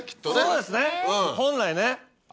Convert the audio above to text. そうですね本来ね。